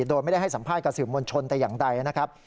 โดยไม่ได้ให้สัมภาษณ์กับสื่อมวลชนแต่อย่างใดนะครับ